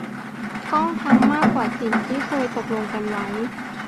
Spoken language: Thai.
ต้องทำมากกว่าสิ่งที่เคยตกลงกันไว้